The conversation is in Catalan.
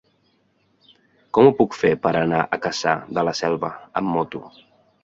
Com ho puc fer per anar a Cassà de la Selva amb moto?